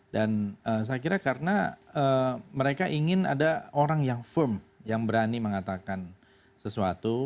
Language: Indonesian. dan saya kira karena mereka ingin ada orang yang firm yang berani mengatakan sesuatu